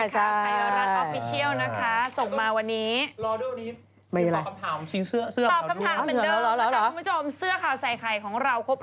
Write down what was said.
ไข่ร้านโอฟฟิเชียลส่งมาวันนี้